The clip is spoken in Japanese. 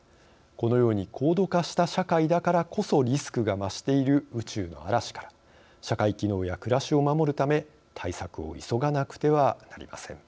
このように高度化した社会だからこそリスクが増している「宇宙の嵐」から社会機能や暮らしを守るため対策を急がなくてはなりません。